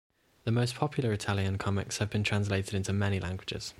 The most popular Italian comics have been translated into many languages.